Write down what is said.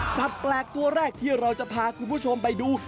แปลกตัวแรกที่เราจะพาคุณผู้ชมไปดู